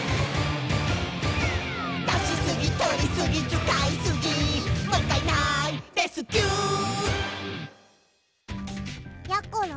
「出しすぎとりすぎ使いすぎもったいないレスキュー」やころ